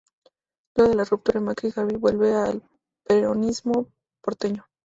Luego de la ruptura con Macri, Schiavi vuelve al peronismo porteño.